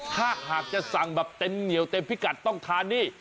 ถ้าหากจะสั่งแบบเต็มเหนียวเต็มพิกัดต้องทานนี่